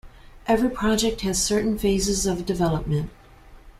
Every project has certain phases of development.